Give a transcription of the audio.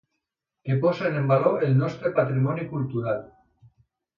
Que posen en valor el nostre patrimoni cultural.